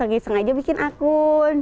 langsung aja bikin akun